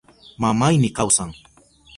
Mamayni kawsan.